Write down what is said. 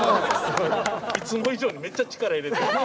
いつも以上にめっちゃ力入れた。